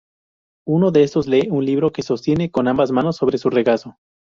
Uno de estos lee un libro que sostiene con ambas manos sobre su regazo.